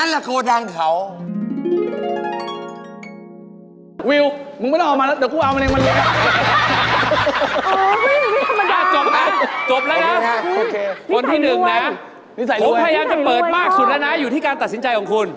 และผมพยายามจะเปิดมากสุดละนะอยู่ที่การตัดสินใจของคุณ